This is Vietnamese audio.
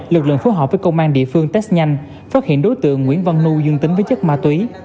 lực lượng phối hợp với công an địa phương test nhanh phát hiện đối tượng nguyễn văn nu dương tính với chất ma túy